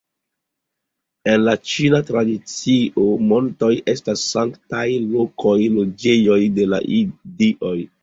En la ĉina tradicio, montoj estas sanktaj lokoj, loĝejoj de la dioj.